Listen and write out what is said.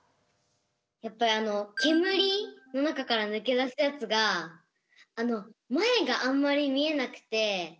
やっぱり煙の中から抜け出すやつが前があんまり見えなくてすごい怖かったです。